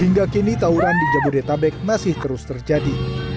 hingga kini tawuran di jabodetabek masih terus terjadi